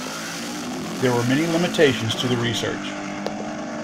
There were many limitations to the research.